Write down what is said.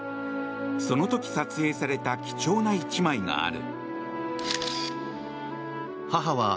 その時、撮影された貴重な一枚がある。